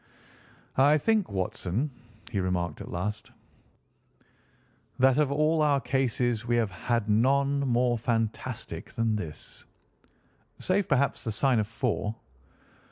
"I think, Watson," he remarked at last, "that of all our cases we have had none more fantastic than this." "Save, perhaps, the Sign of Four."